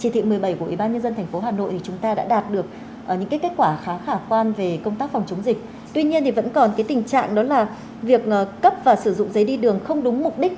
thì vẫn còn nhiều trường hợp cấp và sử dụng giấy đi đường không đúng mục đích